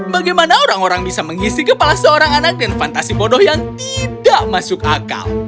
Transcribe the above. bagaimana orang orang bisa mengisi kepala seorang anak dengan fantasi bodoh yang tidak masuk akal